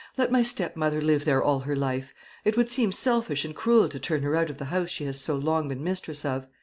Let my stepmother live there all her life. It would seem selfish and cruel to turn her out of the house she has so long been mistress of.